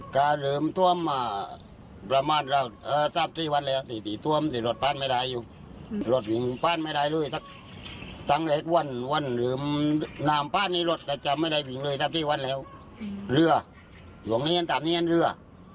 ก็มีพื้นที่กำลังออกมาตรงนี้ตามนี้เรือ